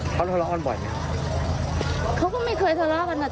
แค่ครั้งหนึ่งครั้งเดียว